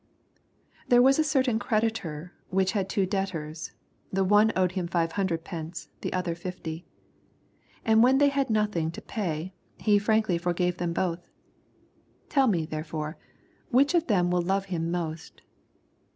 41 There was a certain creditor which had two debtors : the one owed five hundredpenoe, and the other fifty. 42 And when they had nothing to pay, he frankly forgave them both. Tell me therefore, which of them wH love him most